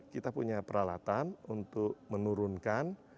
kita punya peralatan untuk menurunkan